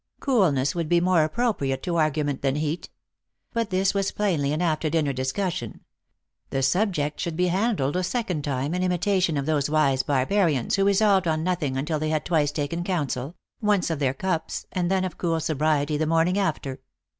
" Coolness would be more appropriate to argument than heat. But this was plainly an after dinner dis cussion. The subject should be handled a second time, in imitation of those wise barbarians, who resolved on nothing until they had twice taken counsel, once of their cups, and then of cool sobriety the morning after."